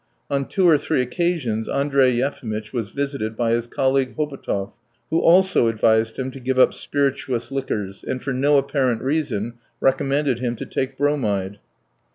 On two or three occasions Andrey Yefimitch was visited by his colleague Hobotov, who also advised him to give up spirituous liquors, and for no apparent reason recommended him to take bromide.